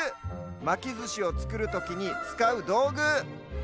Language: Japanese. まきずしをつくるときにつかうどうぐ。